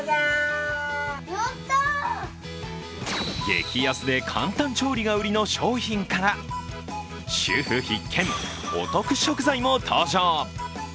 激安で簡単調理が売りの商品から主婦必見、お得食材も登場。